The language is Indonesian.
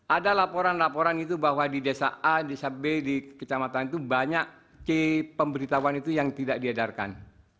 ada laporan laporan itu bahwa di desa a desa b di kecamatan itu banyak c pemberitahuan itu yang tidak diedarkan